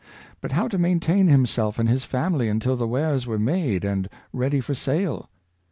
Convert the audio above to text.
But how to maintain himself and his family until the wares were made and ready for sale?